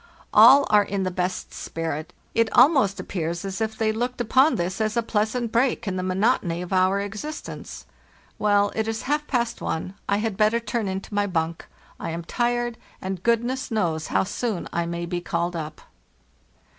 All are in the best iS) FARTHEST NORTH tw. spirits; it almost appears as if they looked upon this as a pleasant break in the monotony of our existence. Well, it is half past one, I had better turn into my bunk; I am tired, and goodness knows how soon I may be calied up.